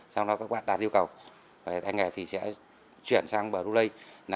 sau đó các bạn đạt yêu cầu thay nghề thì sẽ chuyển sang brunei